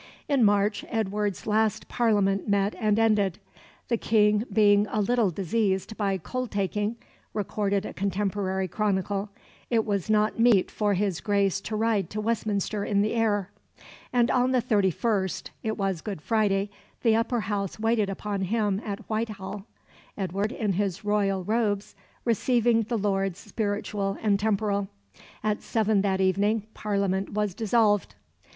In March Edward's last Parliament met and ended. "The King being a little diseased by cold taking," recorded a contemporary chronicle, "it was not meet for his Grace to ride to Westminster in the air," and on the 31st it was Good Friday the Upper House waited upon him at Whitehall, Edward in his royal robes receiving the Lords Spiritual and Temporal. At seven that evening Parliament was dissolved.